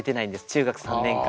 中学３年間。